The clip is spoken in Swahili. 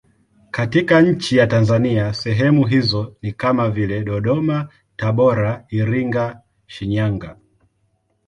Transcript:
Katika nchi ya Tanzania sehemu hizo ni kama vile Dodoma, Tabora, Iringa, Shinyanga.